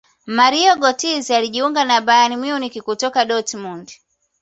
mario gotze alijiunga na bayern munich kutoka dortmund